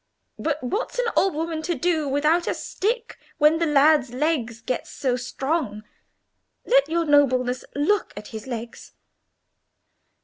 But what's an old woman to do without a stick when the lad's legs get so strong? Let your nobleness look at his legs."